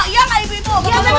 iya nggak ibu ibu